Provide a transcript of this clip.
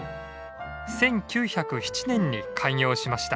１９０７年に開業しました。